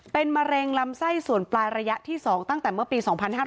เป็นมะเร็งลำไส้ส่วนปลายระยะที่๒ตั้งแต่เมื่อปี๒๕๕๙